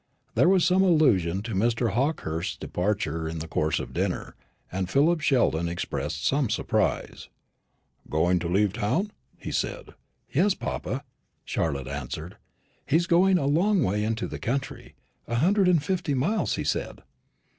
There was some allusion to Mr. Hawkehurst's departure in the course of dinner, and Philip Sheldon expressed some surprise. "Going to leave town?" he said. "Yes, papa," Charlotte answered; "he is going a long way into the country, a hundred and fifty miles, he said."